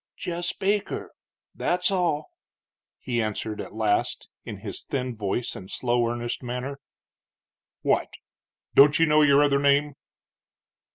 "Jess Baker that's all," he answered at last, in his thin voice and slow, earnest manner. "What! don't know your other name?"